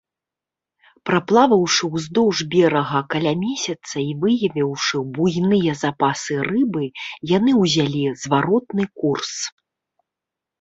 Праплаваўшы ўздоўж берага каля месяца і выявіўшы буйныя запасы рыбы, яны ўзялі зваротны курс.